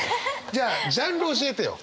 じゃあジャンル教えてよ。